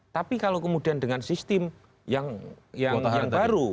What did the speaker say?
tapi kalau kemudian dengan sistem yang baru